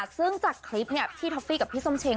ซึ่งจากคลิปพี่ท็อฟฟี่กับพี่ส้มเชง